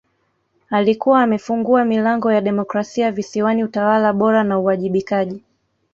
Alikuwa amefungua milango ya demokrasia Visiwani utawala bora na uwajibikaji